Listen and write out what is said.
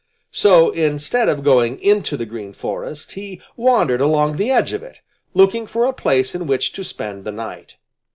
So, instead of going into the Green Forest, he wandered along the edge of it, looking for a place in which to spend the night.